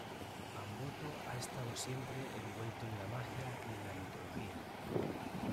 Amboto ha estado siempre envuelto en la magia y en la mitología.